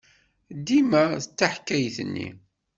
Dima d taḥkayt-nni.